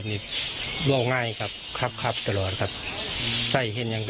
แล้วคุยกับลูกชายก็ได้